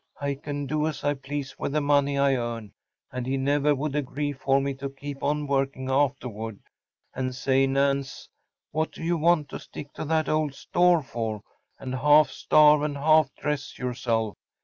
I can do as I please with the money I earn; and he never would agree for me to keep on working afterward. And say, Nance, what do you want to stick to that old store for, and half starve and half dress yourself?